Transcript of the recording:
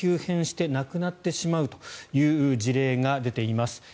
接種後に体調が急変して亡くなってしまうという事例が出ています。